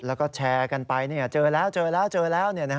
แล้วก็แชร์กันไปเจอแล้วเจอแล้วเจอแล้ว